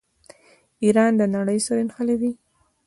ایران د نړۍ سره نښلوي.